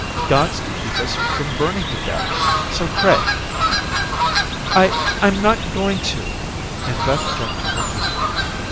God's to keep us from burning to death. So pray." "I I'm not going to," and Beth jumped to her feet.